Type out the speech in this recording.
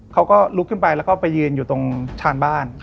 เขาก็ลุกขึ้นไปแล้วก็ไปยืนอยู่ตรงชานบ้าน